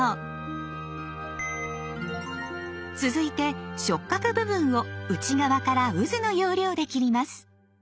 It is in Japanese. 続いて触角部分を内側からうずの要領で切ります。